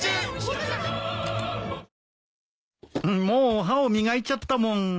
もう歯を磨いちゃったもん。